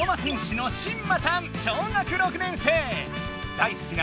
だいすきな